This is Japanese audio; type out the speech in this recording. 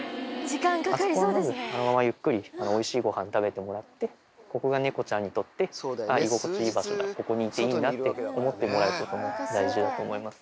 あそこはまず、あのままゆっくりおいしいごはん食べてもらって、ここが猫ちゃんにとって、居心地いい場所だ、ここにいていいと思ってもらうことも大事だと思います。